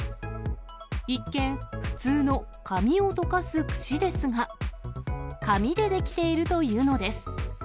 一見、普通の髪をとかすくしですが、紙で出来ているというのです。